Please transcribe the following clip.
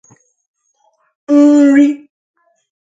Nri